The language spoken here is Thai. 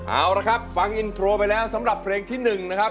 เอาละครับฟังอินโทรไปแล้วสำหรับเพลงที่๑นะครับ